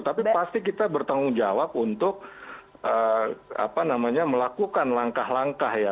tapi pasti kita bertanggung jawab untuk melakukan langkah langkah ya